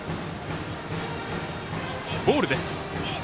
ボールです。